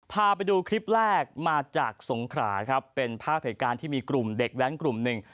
พาไปดูคลิปแรกมาจากสงขราครับเป็นภาพเหตุการณ์ที่มีกลุ่มเด็กแว้นกลุ่มหนึ่ง